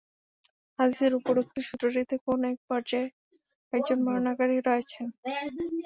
হাদীসের উপরোক্ত সূত্রটিতে কোন এক পর্যায়ে একজন বর্ণনাকারী রয়েছেন।